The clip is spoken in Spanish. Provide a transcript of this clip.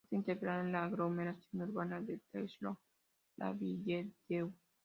Está integrada en la aglomeración urbana de Terrasson-Lavilledieu.